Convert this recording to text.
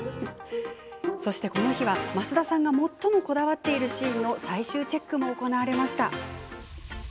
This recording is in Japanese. この日は、増田さんが最もこだわっているシーンの最終チェックも行われました。